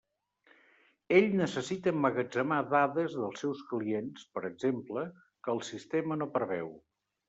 Ell necessita emmagatzemar dades dels seus clients, per exemple, que el sistema no preveu.